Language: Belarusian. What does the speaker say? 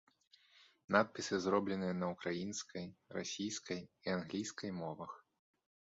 Надпісы зробленыя на ўкраінскай, расійскай і англійскай мовах.